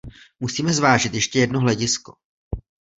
Musíme zvážit ještě jedno hledisko.